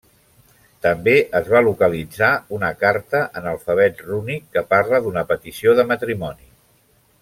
També es va localitzar una carta en alfabet rúnic, que parla d'una petició de matrimoni.